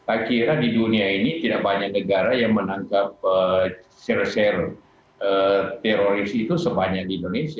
akhirnya di dunia ini tidak banyak negara yang menangkap sel sel teroris itu sebanyak di indonesia